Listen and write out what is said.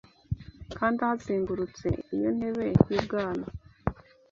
kandi ahazengurutse iyo ntebe y’ubwami